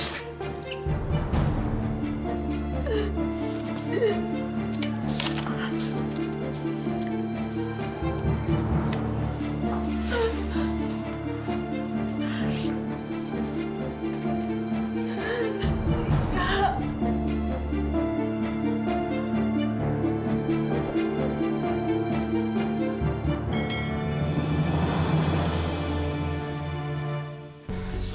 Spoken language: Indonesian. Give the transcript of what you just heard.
jangan lakukan ini bu